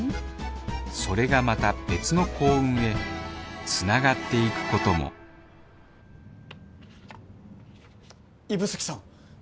それがまた別の幸運へつながっていくことも指宿さん！